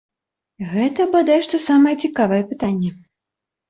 Гэта бадай што самае цікавае пытанне.